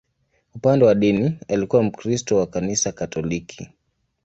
Upande wa dini, alikuwa Mkristo wa Kanisa Katoliki.